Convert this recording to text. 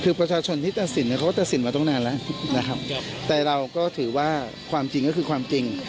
คือประชาชนที่ตัดสินเนี่ยเขาก็ตัดสินมาตั้งนานแล้วนะครับแต่เราก็ถือว่าความจริงก็คือความจริง